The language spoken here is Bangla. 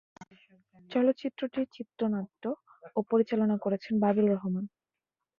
চলচ্চিত্রটির চিত্রনাট্য ও পরিচালনা করেছেন বাদল রহমান।